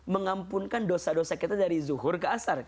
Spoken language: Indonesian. mengampunkan dosa dosa kita dari zuhur ke asar